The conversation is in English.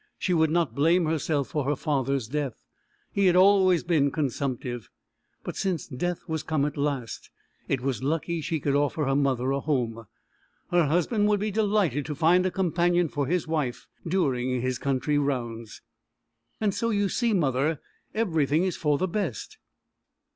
She would not blame herself for her father's death he had always been consumptive but since death was come at last, it was lucky she could offer her mother a home. Her husband would be delighted to find a companion for his wife during his country rounds. "So you see, mother, everything is for the best."